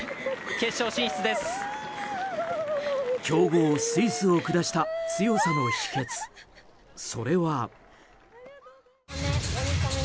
強豪スイスを下した強さの秘訣それは。